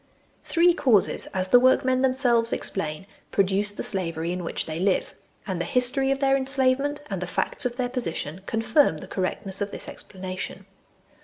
Three causes, as the workmen themselves ex plain, produce the slavery in which they live ; and the history of their enslavement and the facts of their position confirm the correctness of this explanation.